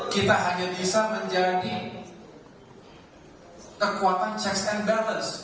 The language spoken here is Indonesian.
kita hanya bisa menjadi kekuatan checks and balance